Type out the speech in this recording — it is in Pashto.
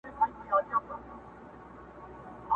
o اوبه د لويه سره خړي دي٫